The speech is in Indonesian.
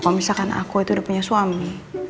kalau misalkan aku itu udah punya suami